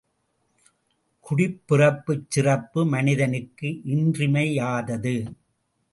குடிப்பிறப்புச் சிறப்பு மனிதனுக்கு இன்றியமையாதது.